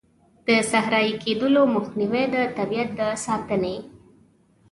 د صحرایې کیدلو مخنیوی، د طبیعیت د ساتنې.